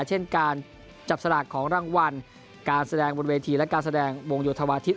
เช่นการจับสลากของรางวัลการแสดงบนเวทีและการแสดงวงโยธวาธิ